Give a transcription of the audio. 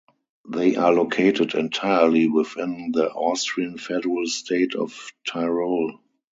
They are located entirely within the Austrian federal state of Tyrol.